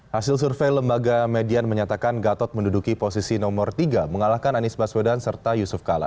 hasil survei lembaga median menyatakan gatot menduduki posisi nomor tiga mengalahkan anies baswedan serta yusuf kala